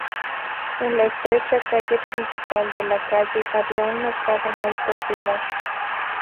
En la estrecha calle principal de la calle había un mercado muy popular.